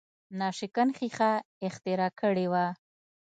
ناشکن ښیښه اختراع کړې وه.